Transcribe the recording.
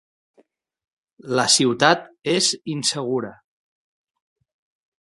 La ciutat és insegura.